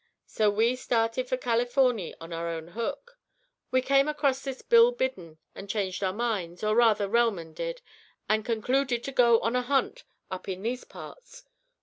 So we started fur Californy on our own hook. We came across this Bill Biddon and changed our minds, or, rather, Relmond did, and concluded to go on a hunt up in these parts.